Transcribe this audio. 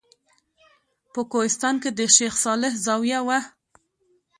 په کوهستان کې د شیخ صالح زاویه وه.